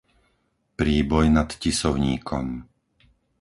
Príboj nad Tisovníkom